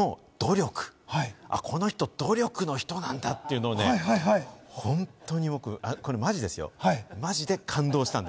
その努力、この人は努力の人なんだということを、本当にこれマジですよ、マジで感動したんです。